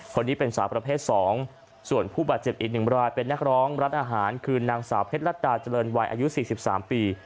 คนนี้เป็นสาวประเภท๒ส่วนผู้บาดเจ็บอีก๑รายเป็นนักร้องร้านอาหารคือนางสาวเพชรรัฐดาเจริญวัยอายุ๔๓ปี